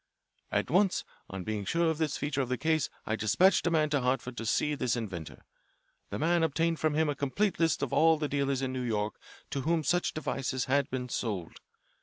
"At once on being sure of this feature of the case I despatched a man to Hartford to see this inventor. The man obtained from him a complete list of all the dealers in New York to whom such devices had been sold.